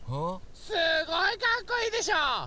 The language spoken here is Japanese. すごいかっこいいでしょ！